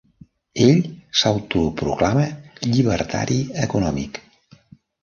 Ell s'autoproclama llibertari econòmic.